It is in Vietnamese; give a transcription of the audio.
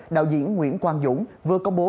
đạo diễn nguyễn quang dũng vừa công bố